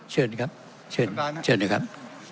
เชิญครับเชิญเชิญนะครับ